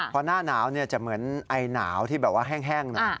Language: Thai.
พอหน้าหนาวจะเหมือนไอหนาวที่แบบว่าแห้งหน่อย